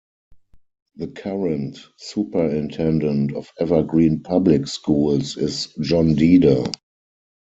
The current Superintendent of Evergreen Public Schools is John Deeder.